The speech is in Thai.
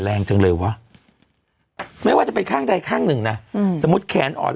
แรงจังเลยวะไม่ว่าจะเป็นข้างใดข้างหนึ่งนะสมมุติแขนอ่อน